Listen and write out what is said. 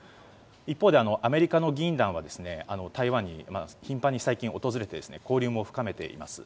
一方でアメリカの議員団は台湾に頻繁に最近訪れて交流も深めています。